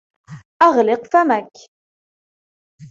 أغلق فمك!